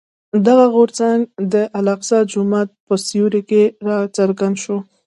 دغه غورځنګ د الاقصی جومات په سیوري کې راڅرګند شو.